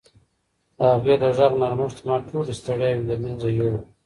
د هغې د غږ نرمښت زما ټولې ستړیاوې له منځه یووړې.